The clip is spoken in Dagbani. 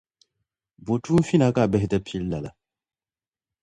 Bo tuunfina ka bihi ti pili laa!